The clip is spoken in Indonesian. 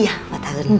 iya empat tahun